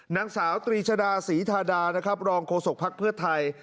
นางสาวตรีชดาศรีทาดานะครับรองโฆษกภักดิ์เพื่อไทย